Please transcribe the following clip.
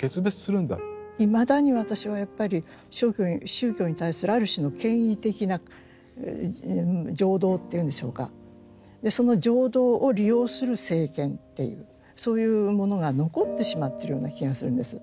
いまだに私はやっぱり宗教に対するある種の権威的な情動というんでしょうかその情動を利用する政権っていうそういうものが残ってしまってるような気がするんです。